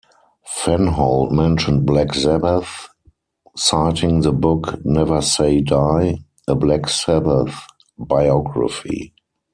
Fenholt mentioned Black Sabbath, citing the book 'Never Say Die', a "Black Sabbath" biography.